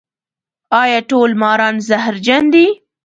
ایا ټول ماران زهرجن دي؟